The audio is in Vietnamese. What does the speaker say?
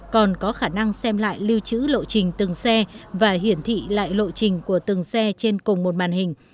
còn có khả năng xem lại lưu trữ lộ trình từng xe và hiển thị lại lộ trình của từng xe trên cùng một màn hình